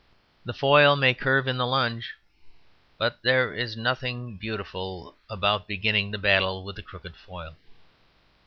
The foil may curve in the lunge, but there is nothing beautiful about beginning the battle with a crooked foil.